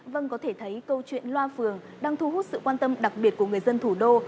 vâng có thể thấy câu chuyện loa phường đang thu hút sự quan tâm đặc biệt của người dân thủ đô